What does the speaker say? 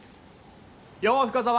よう深沢。